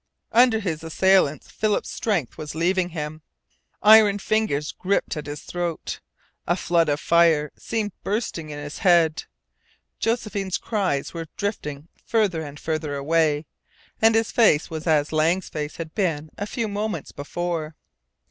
Under his assailants, Philip's strength was leaving him. Iron fingers gripped at his throat. A flood of fire seemed bursting his head. Josephine's cries were drifting farther and farther away, and his face was as Lang's face had been a few moments before.